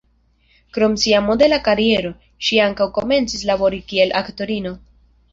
Krom ŝia modela kariero, ŝi ankaŭ komencis labori kiel aktorino.